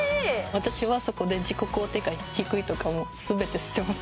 私はそこで自己肯定感低いとかを全て捨てます。